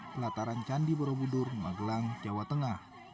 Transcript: pelataran candi borobudur magelang jawa tengah